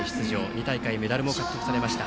２大会メダルも獲得されました。